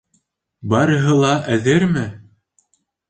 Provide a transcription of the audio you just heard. Барыһы ла әҙерме?